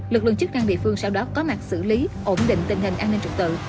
lực lượng chức năng địa phương sau đó có mặt xử lý ổn định tình hình an ninh trật tự